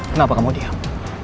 kenapa kamu diam